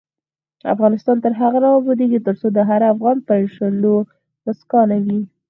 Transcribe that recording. افغانستان تر هغو نه ابادیږي، ترڅو د هر افغان پر شونډو مسکا نه وي.